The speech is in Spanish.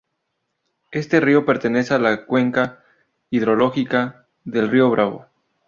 Este río pertenece a la cuenca hidrológica del río Bravo.